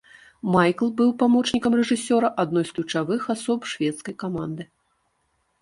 Майкл быў памочнікам рэжысёра, адной з ключавых асоб шведскай каманды.